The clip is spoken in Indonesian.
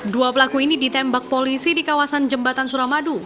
dua pelaku ini ditembak polisi di kawasan jembatan suramadu